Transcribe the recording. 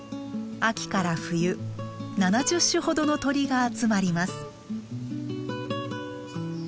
秋から冬７０種ほどの鳥が集まります。